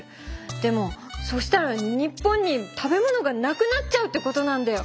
でもそうしたら日本に食べ物がなくなっちゃうってことなんだよ！